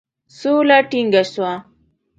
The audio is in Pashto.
سوله ټینګه سوه.